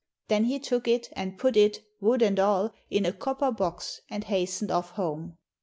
Then he took it and put it, wood and all, in a copper box and hastened off home.